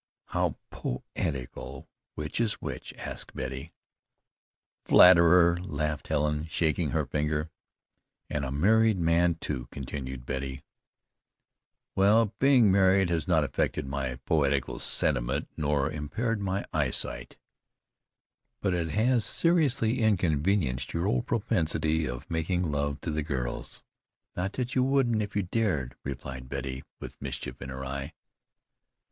"How poetical! Which is which?" asked Betty. "Flatterer!" laughed Helen, shaking her finger. "And a married man, too!" continued Betty. "Well, being married has not affected my poetical sentiment, nor impaired my eyesight." "But it has seriously inconvenienced your old propensity of making love to the girls. Not that you wouldn't if you dared," replied Betty with mischief in her eye.